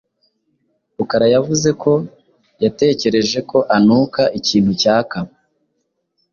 Rukara yavuze ko yatekereje ko anuka ikintu cyaka.